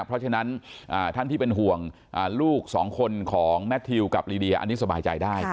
เพราะฉะนั้นท่านที่เป็นห่วงลูกสองคนของแมททิวกับลีเดียอันนี้สบายใจได้